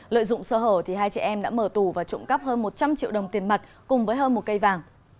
lợi dụng sơ hở hai chị em đã mở tù và trộm cắp hơn một trăm linh triệu đồng tiền mặt cùng với hơn một cây vàng